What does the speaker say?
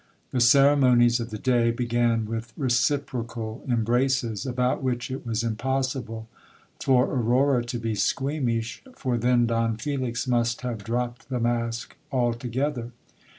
The ceremonies of the day began with reciprocal embraces, about which it was impossible for Aurora to be squeamish, for then Don Felix must have dropped the mask altogether.